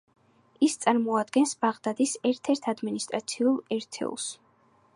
ის წარმოადგენს ბაღდადის ერთ-ერთ ადმინისტრაციულ ერთეულს.